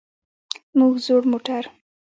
موږ زوړ موټر.